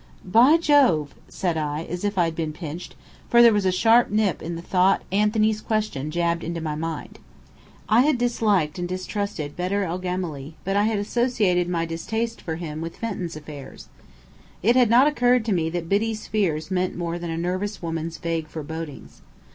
"By Jove!" said I, as if I had been pinched for there was a sharp nip in the thought Anthony's question jabbed into my mind. I had disliked and distrusted Bedr el Gemály, but I had associated my distaste for him with Fenton's affairs. It had not occurred to me that Biddy's fears meant more than a nervous woman's vague forebodings.